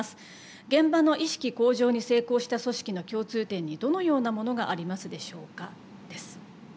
現場の意識向上に成功した組織の共通点にどのようなものがありますでしょうか」です。